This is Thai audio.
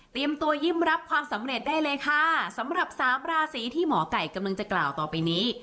ตัวยิ้มรับความสำเร็จได้เลยค่ะสำหรับสามราศีที่หมอไก่กำลังจะกล่าวต่อไปนี้